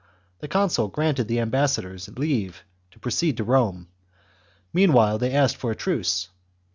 The consul granted the am bassadors leave to proceed to Rome; meanwhile, they asked for a truce.